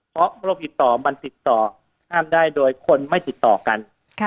เพราะโรคติดต่อมันติดต่อห้ามได้โดยคนไม่ติดต่อกัน